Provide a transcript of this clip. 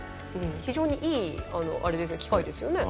非常にいい機会ですよね。